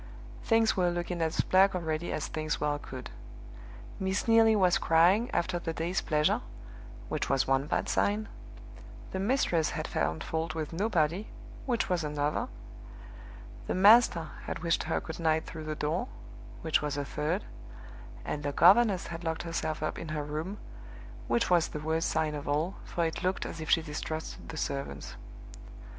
Things were looking as black already as things well could. Miss Neelie was crying, after the day's pleasure (which was one bad sign); the mistress had found fault with nobody (which was another); the master had wished her good night through the door (which was a third); and the governess had locked herself up in her room (which was the worst sign of all, for it looked as if she distrusted the servants).